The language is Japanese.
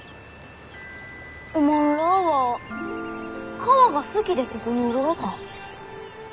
おまんらあは川が好きでここにおるがか？